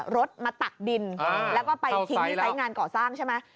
รถมาตักดินแล้วก็ไปทิ้งที่ไซส์งานก่อสร้างใช่ไหม